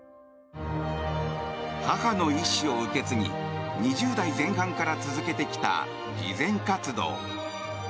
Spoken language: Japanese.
母の遺志を受け継ぎ２０代前半から続けてきた慈善活動。